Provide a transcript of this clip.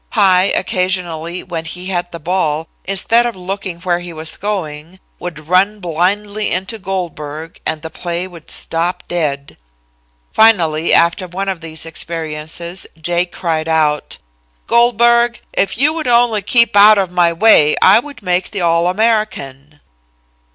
High, occasionally, when he had the ball, instead of looking where he was going, would run blindly into Goldberg and the play would stop dead. Finally, after one of these experiences, Jake cried out: [Illustration: AINSWORTH, YALE'S TERROR IN AN UPHILL GAME] "Goldberg, if you would only keep out of my way, I would make the All American."